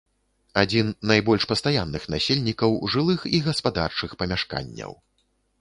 Адзін найбольш пастаянных насельнікаў жылых і гаспадарчых памяшканняў.